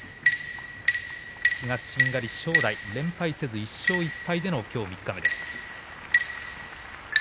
正代、連敗せずに１勝１敗でのきょう三日目です。